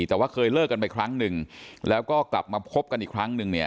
แต่ว่าเคยเลิกกันไปครั้งหนึ่งแล้วก็กลับมาพบกันอีกครั้งหนึ่งเนี่ย